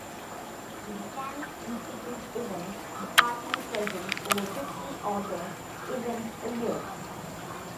The Mechanics' Institute Events department presents over fifty author events a year.